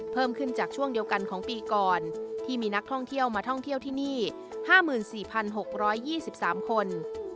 เพิ่มขึ้นจากช่วงเดียวกันของปีก่อนที่มีนักท่องเที่ยวมาท่องเที่ยวที่นี่๕๔๖๒๓คน